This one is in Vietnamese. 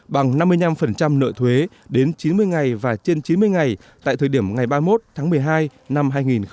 bằng năm mươi năm nợ thuế đến chín mươi ngày và trên chín mươi ngày tại thời điểm ngày ba mươi một tháng một mươi hai năm hai nghìn một mươi chín